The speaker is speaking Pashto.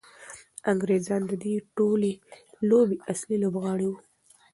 انګریزان د دې ټولې لوبې اصلي لوبغاړي وو.